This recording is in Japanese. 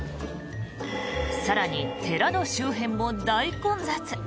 更に、寺の周辺も大混雑。